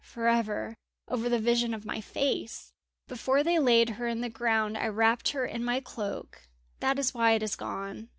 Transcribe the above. for ever ... over the vision of my face! "Before they laid her in the ground I wrapped her in my cloak; that is why it is gone.